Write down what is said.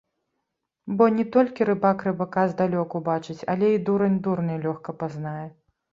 Бо не толькі рыбак рыбака здалёку бачыць, але і дурань дурня лёгка пазнае.